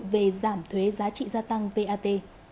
về giảm thuế giá trị gia tăng vat